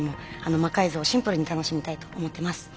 魔改造をシンプルに楽しみたいと思ってます。